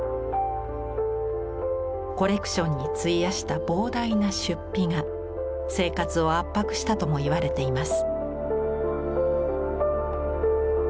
コレクションに費やした膨大な出費が生活を圧迫したともいわれています。